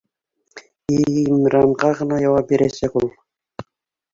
ИИМнрга гына яуап бирәсәк ул